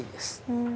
うん。